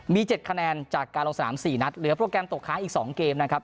มี๗คะแนนจากการลงสนาม๔นัดเหลือโปรแกรมตกค้างอีก๒เกมนะครับ